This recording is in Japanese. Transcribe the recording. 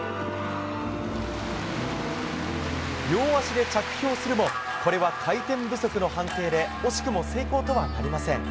両足で着氷するもこれは回転不足の判定で惜しくも成功とはなりません。